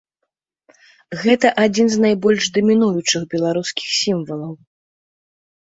Гэта адзін з найбольш дамінуючых беларускіх сімвалаў.